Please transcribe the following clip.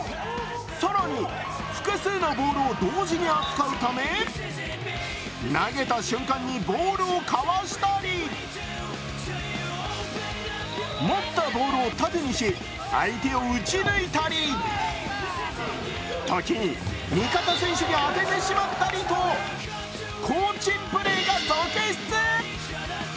更に複数のボールを同時に扱うため、投げた瞬間にボールをかわしたり持ったボールを盾にし相手を打ち抜いたり時に味方選手に当ててしまったりと好珍プレーが続出。